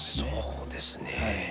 そうですね。